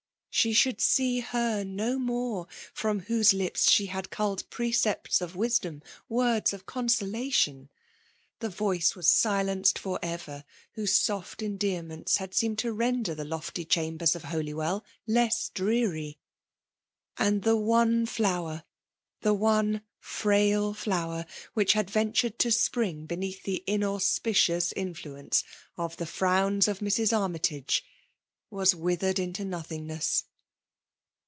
She should see her no more, from whose lips she had culled precepts of wisdom, words of con solation. That voice was silenced for ever, whose soft endearments had seemed to render the lofty chambers of Holywell less dreary ; and tlie one flower, — the one frail flower which had ventured to spring beneath the inauspi • cious influence of the frowns of Mrs. Army tagc, was withered into nothingness.